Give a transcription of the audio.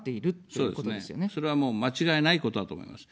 そうですね、それはもう間違いないことだと思います。